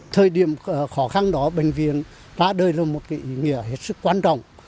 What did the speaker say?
thời điểm khó khăn đó bệnh viện đã đưa ra một ý nghĩa hết sức quan trọng